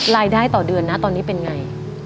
รายได้ต่อเดือนนะตอนนี้เป็นไง